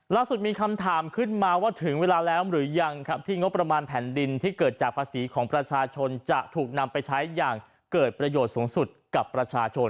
ล่าสุดมีคำถามขึ้นมาว่าถึงเวลาแล้วหรือยังครับที่งบประมาณแผ่นดินที่เกิดจากภาษีของประชาชนจะถูกนำไปใช้อย่างเกิดประโยชน์สูงสุดกับประชาชน